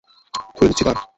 খুলে দিচ্ছি দ্বার।